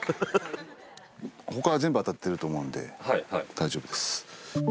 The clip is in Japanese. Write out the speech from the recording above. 他は全部当たってると思うんで大丈夫です。